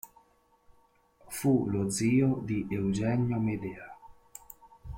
Fu lo zio di Eugenio Medea.